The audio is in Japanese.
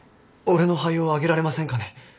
俺の肺をあげられませんかね？